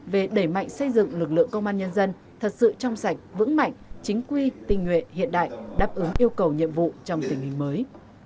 về đẩy mạnh xây dựng lực lượng công an nhân dân thật sự trong sạch vững mạnh chính quy tình nguyện hiện đại đáp ứng yêu cầu nhiệm vụ trong tình hình mới